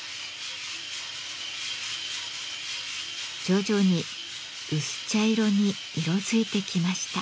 徐々に薄茶色に色づいてきました。